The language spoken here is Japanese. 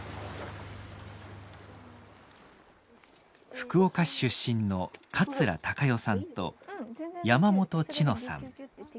福岡市出身の桂誉予さんと山本千乃さん。